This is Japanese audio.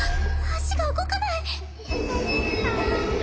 足が動かない